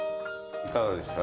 いかがでした？